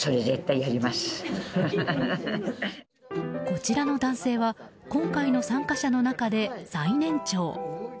こちらの男性は今回の参加者の中で最年長。